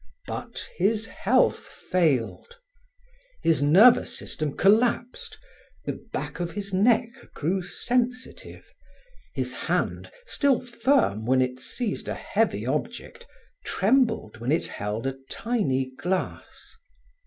But his health failed, his nervous system collapsed, the back of his neck grew sensitive, his hand, still firm when it seized a heavy object, trembled when it held a tiny glass.